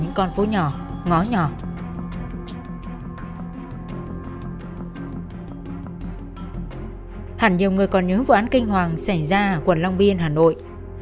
hẳn nhiều người còn nhớ vụ án kinh hoàng xảy ra ở quận long biên hà nội